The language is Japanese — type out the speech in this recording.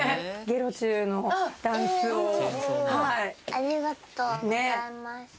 ありがとうございます。